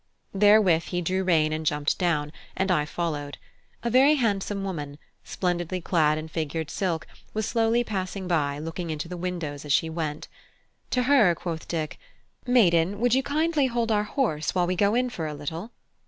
Therewith he drew rein and jumped down, and I followed. A very handsome woman, splendidly clad in figured silk, was slowly passing by, looking into the windows as she went. To her quoth Dick: "Maiden, would you kindly hold our horse while we go in for a little?"